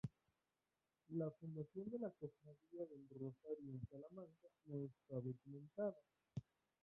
La fundación de la Cofradía del Rosario en Salamanca no está documentada.